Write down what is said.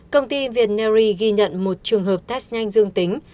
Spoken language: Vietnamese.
công ty việt neri ghi nhận một trường hợp test nhanh dương tính